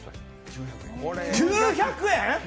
９００円！？